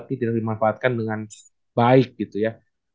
tidak dimanfaatkan dengan baik gitu ya